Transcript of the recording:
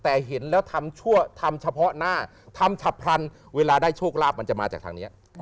แต่เห็นแล้วทำชั่วทำเฉพาะหน้าทำฉับพลันเวลาได้โชคลาภมันจะมาจากทางนี้